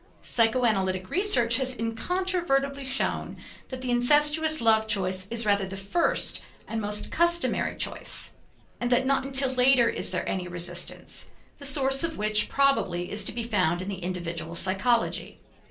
Psychoanalytic research has incontrovertibly shown that the incestuous love choice is rather the first and most customary choice, and that not until later is there any resistance, the source of which probably is to be found in the individual psychology.